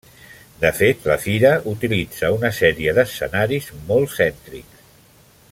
De fet, la Fira utilitza una sèrie d'escenaris molt cèntrics.